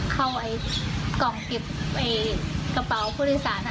เข้ากล่องเก็บกระเป๋าผู้โดยสาร